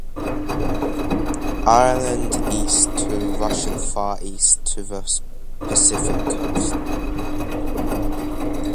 Ireland east to Russian Far East to the Pacific coast.